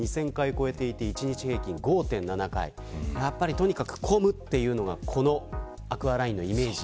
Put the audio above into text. とにかく混むというのがこのアクアラインのイメージ。